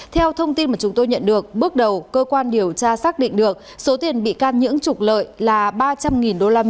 theo thông tin mà chúng tôi nhận được bước đầu cơ quan điều tra xác định được số tiền bị can nhưỡng trục lợi là ba trăm linh usd